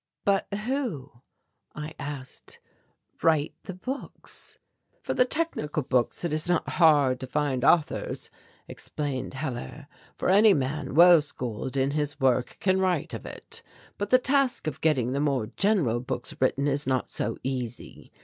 "But who," I asked, "write the books?" "For the technical books it is not hard to find authors," explained Hellar, "for any man well schooled in his work can write of it. But the task of getting the more general books written is not so easy.